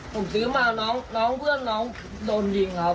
ผมซื้อมาน้องเพื่อนน้องโดนยิงครับ